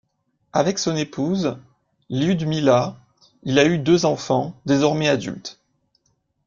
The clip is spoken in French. Avec son épouse, Liudmila, il a eu deux enfants, désormais adultes.